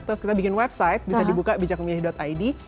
terus kita bikin website bisa dibuka bijakmi id